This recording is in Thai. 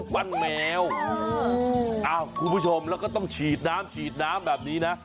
ครูผู้ชมแล้วต้องฉีดน้ำฉีดน้ำแบบนี้นะ